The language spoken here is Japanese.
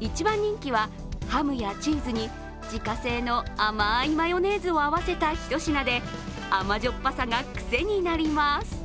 一番人気は、ハムやチーズに自家製の甘いマヨネーズを合わせたひと品で甘じょっぱさが癖になります。